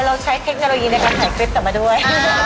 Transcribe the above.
เราใช้เทคโนโลยีในการถ่ายคลิปต่อมาด้วย